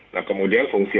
nah kemudian fungsinya